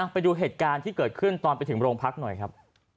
ไปดูเหตุการณ์ที่เกิดขึ้นตอนไปถึงโรงพักหน่อยครับ